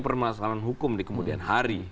permasalahan hukum di kemudian hari